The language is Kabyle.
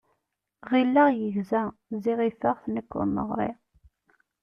Ɣileɣ yegza, ziɣ ifeɣ-t nekk ur neɣṛi.